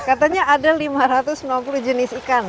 katanya ada lima ratus sembilan puluh jenis ikan